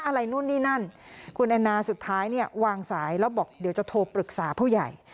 นู่นนี่นั่นคุณแอนนาสุดท้ายเนี่ยวางสายแล้วบอกเดี๋ยวจะโทรปรึกษาผู้ใหญ่